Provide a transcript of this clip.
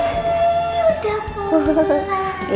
eh udah pulang